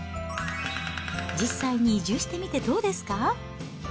実際に移住してみてどうですか？